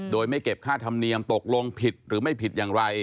โดยไม่เก็บค่าธรรมเนียมตกลงผิดหรือไม่ผิดอย่างไร